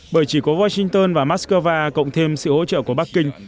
bởi chỉ có washington và moscow cộng thêm sự hỗ trợ của bắc kinh